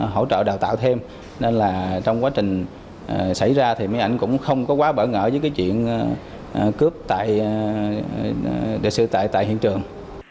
hỗ trợ đào tạo thêm nên là trong quá trình xảy ra thì mấy anh cũng không có quá bỡ ngỡ với cái chuyện cướp tại hiện trường